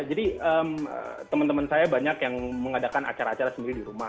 jadi teman teman saya banyak yang mengadakan acara acara sendiri di rumah